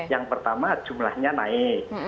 yang pertama jumlahnya naik